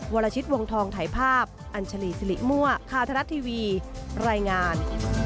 วรชิตวงทองถ่ายภาพอัญชลีสิริมั่วข่าวทรัฐทีวีรายงาน